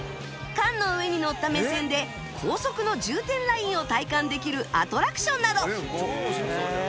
缶の上に乗った目線で高速の充填ラインを体感できるアトラクションなど